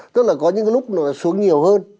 tức là có những cái lúc nó xuống nhiều hơn